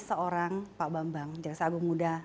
seorang pak bambang jaksa agung muda